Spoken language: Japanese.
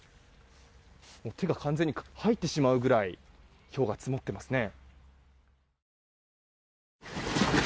手が完全に入ってしまうぐらいひょうが積もっていますね。